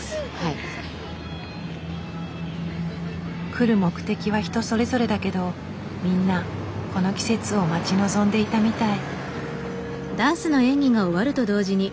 来る目的は人それぞれだけどみんなこの季節を待ち望んでいたみたい。